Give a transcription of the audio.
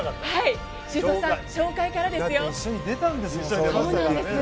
修造さん、紹介からですよ。